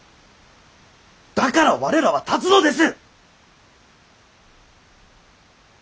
だから我らは立つのです！